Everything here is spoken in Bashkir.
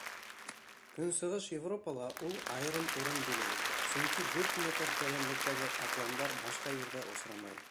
Көнсығыш Европала ул айырым урын биләй, сөнки дүрт метр тәрәнлектәге ҡатламдар башҡа ерҙә осрамай.